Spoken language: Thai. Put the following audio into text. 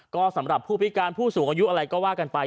ก็สำหรับผู้พิการผู้สูงอายุอะไรก็ว่ากันไป